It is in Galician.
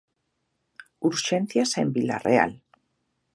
Urxencias en Vilarreal.